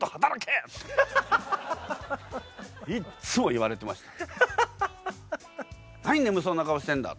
いっつも言われてました。